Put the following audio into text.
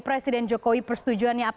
presiden jokowi persetujuan